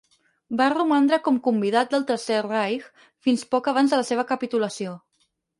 Va romandre com convidat del Tercer Reich fins poc abans de la seva capitulació.